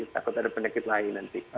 takut ada penyakit lain nanti